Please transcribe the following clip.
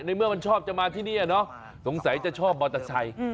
ในเมื่อมันชอบจะมาที่นี่สงสัยจะชอบบัตรไช